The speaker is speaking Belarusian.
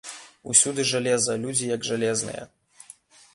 Усюды жалеза, людзі як жалезныя.